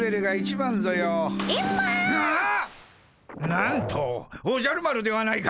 なんとおじゃる丸ではないか！